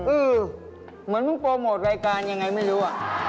อืมเออเหมือนนึกโปรโมทรายการอย่างไรไม่รู้